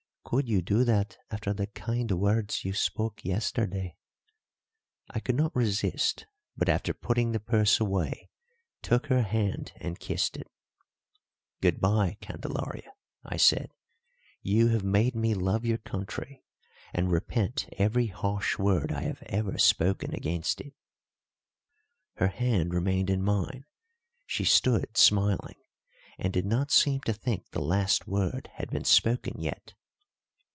"Could you do that after the kind words you spoke yesterday?" I could not resist, but, after putting the purse away, took her hand and kissed it. "Good bye, Candelaria," I said, "you have made me love your country and repent every harsh word I have ever spoken against it." Her hand remained in mine; she stood smiling, and did not seem to think the last word had been spoken yet.